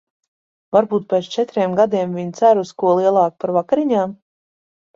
Varbūt pēc četriem gadiem viņa cer uz ko lielāku par vakariņām?